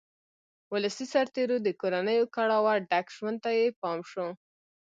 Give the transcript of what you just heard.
ولسي سرتېرو د کورنیو کړاوه ډک ژوند ته یې پام شو.